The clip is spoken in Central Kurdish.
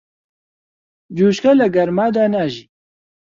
جوچکە لە گەرمادا ناژی.